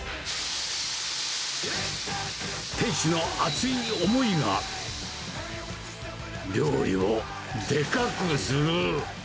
店主の熱い思いが料理をでかくする。